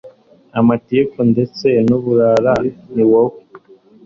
amatiku, ndetse n'uburara, ni wowe